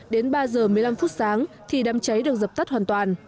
đến ba giờ một mươi năm phút sáng thì đám cháy được dập tắt hoàn toàn